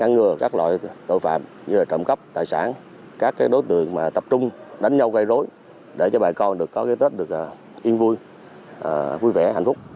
vì nó được truyền ti phí bả họ do phân vi phong vọngunk th accident đối tượng này s hour d yuping